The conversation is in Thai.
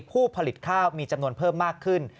ผู้ผลิตข้าวมีจำนวนเพิ่มมากขึ้น